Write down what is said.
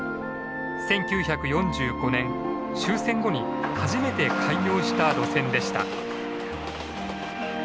１９４５年終戦後に初めて開業した路線でした。